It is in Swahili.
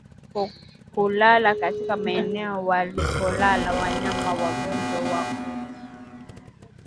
Kulala katika maeneo walipolala wanyama wagonjwa wa ukurutu